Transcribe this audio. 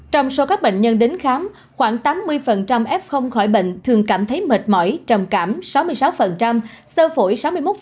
trong số các bệnh nhân đến khám khoảng tám mươi f khỏi bệnh thường cảm thấy mệt mỏi trầm cảm sáu mươi sáu sơ phổi sáu mươi một